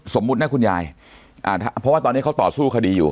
สมมุตินะคุณยายเพราะว่าตอนนี้เขาต่อสู้คดีอยู่